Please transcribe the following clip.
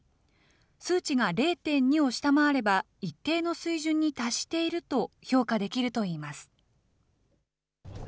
数値が０．２を下回れば一定の水準に達していると評価できるといいます。